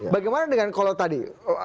bagaimana dengan kalau tadi